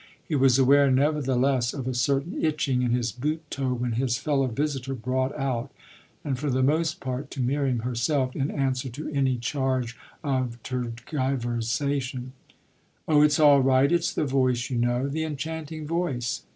He was aware nevertheless of a certain itching in his boot toe when his fellow visitor brought out, and for the most part to Miriam herself, in answer to any charge of tergiversation, "Oh it's all right; it's the voice, you know the enchanting voice!"